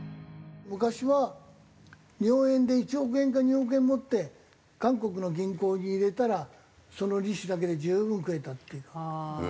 昔は日本円で１億円か２億円持って韓国の銀行に入れたらその利子だけで十分食えたっていう。